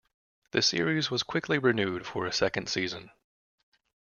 The series was quickly renewed for a second season.